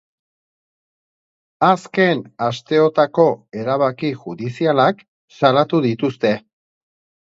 Azken asteotako erabaki judizialak salatu dituzte.